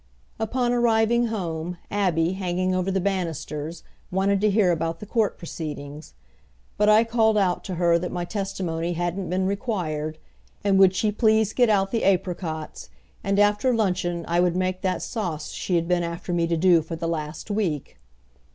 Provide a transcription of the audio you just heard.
Upon arriving home, Abby hanging over the banisters, wanted to hear about the court proceedings; but I called out to her that my testimony hadn't been required and would she please get out the apricots, and after luncheon I would make that sauce she had been after me to do for the last week.